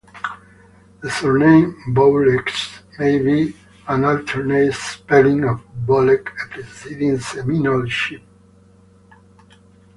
The surname "Bowlegs" may be an alternate spelling of "Bolek", a preceding Seminole chief.